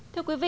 thưa quý vị